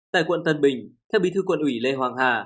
tại quận tân bình theo bí thư quân ủy lê hoàng hà